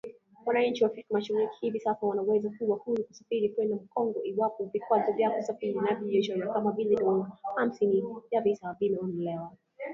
Wananchi wa Afrika Mashariki hivi sasa wanaweza kuwa huru kusafiri kwenda Kongo iwapo vikwazo vya kusafiri na biashara kama vile dola hamsini ya visa vimeondolewa